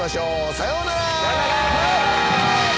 さよなら！